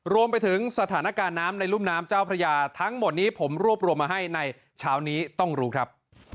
รวมไปถึงสถานการณ์น้ำในรุ่มน้ำเจ้าพระยาทั้งหมดนี้ผมรวบรวมมาให้ในเช้านี้ต้องรู้ครับ